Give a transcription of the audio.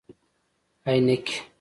👓 عینکي